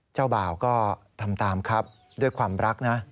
เจ้าบ่าวก็ทำตามครับด้วยความรักนะ